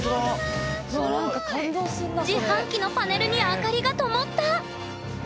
自販機のパネルに明かりがともった！